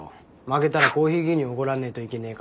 負けたらコーヒー牛乳おごらねえといけねえからさ。